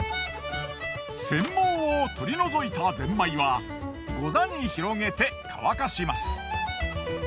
繊毛を取り除いたゼンマイはゴザに広げて乾かします。